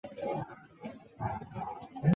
离穗薹草为莎草科薹草属的植物。